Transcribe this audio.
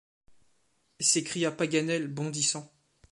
s’écria Paganel bondissant.